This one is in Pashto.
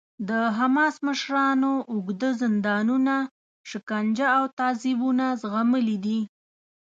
د حماس مشرانو اوږده زندانونه، شکنجه او تعذیبونه زغملي دي.